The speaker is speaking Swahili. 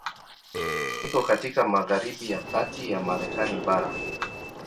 Iko katika magharibi ya kati ya Marekani bara.